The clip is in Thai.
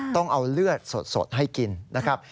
ต้องเอาเลือดสดให้กินนะครับ